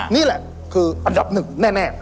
นี่แหละคืออันดับหนึ่งแน่